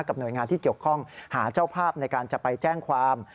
หน่วยงานที่เกี่ยวข้องหาเจ้าภาพในการจะไปแจ้งความ